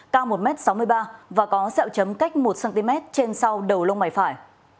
cao một m sáu mươi ba và có dẹo chấm cách một cm trên sau đầu lông mảy phải